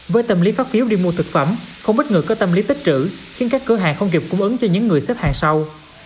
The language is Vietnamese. với tâm lý phát phiếu đi mua thực phẩm không ít người có tâm lý tích trữ khiến các cửa hàng không kịp cung ứng cho những người xếp hàng sau